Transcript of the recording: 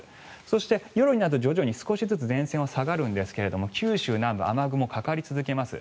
そして、夜になると徐々に少しずつ前線は下がるんですが九州南部雨雲がかかり続けます。